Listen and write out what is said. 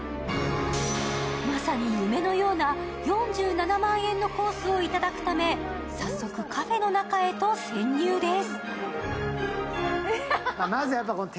まさに夢のような４７万円のコースをいただくため早速、カフェの中へと潜入です。